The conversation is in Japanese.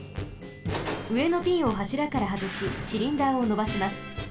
うえのピンをはしらからはずしシリンダーをのばします。